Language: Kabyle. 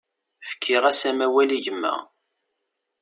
Fkiɣ-as amawal i gma.